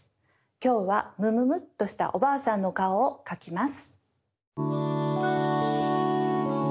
きょうはむむむっとしたおばあさんのかおをかきます。